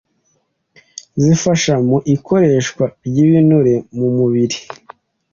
zifasha mu ikoreshwa ry’ibinure mu mubiri